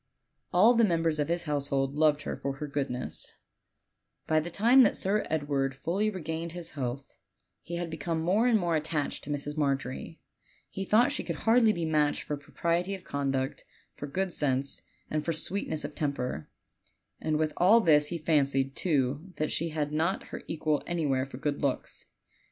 All the members of his household loved her for her goodness. the time that Sir Edward fully regained his health OLD, OLD FAIRY TALES. 13 he had become more and more attached to Mrs. Margery. He thought she could hardly be matched for propriety of conduct, for good sense, and for sweetness of temper; and with all this he fancied, too, that she had not her equal anywhere for good looks.